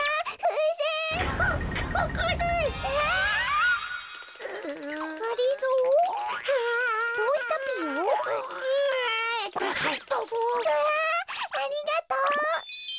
うわありがとう！